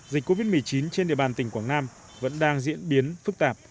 dịch covid một mươi chín trên địa bàn tỉnh quảng nam vẫn đang diễn biến phức tạp